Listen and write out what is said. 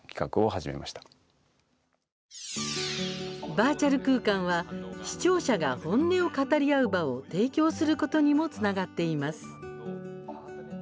バーチャル空間は視聴者が本音を語り合う場を提供することにもつながっています。